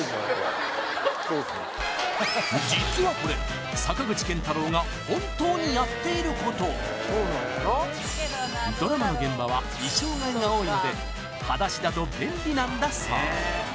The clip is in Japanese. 実はこれ坂口健太郎が本当にやっていることドラマの現場は衣装替えが多いので裸足だと便利なんだそう